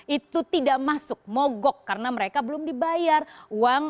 itu tidak masuk mogok karena mereka belum dibayar uang